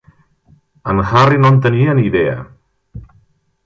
En Harry no en tenia ni idea.